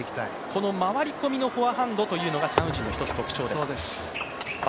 この回り込みのフォアハンドというのが、チャン・ウジンの１つの特徴です。